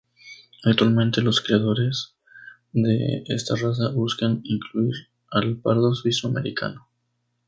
Actualmente los criadores de esta raza buscan incluir al pardo suizo-americano.